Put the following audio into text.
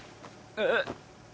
えっ。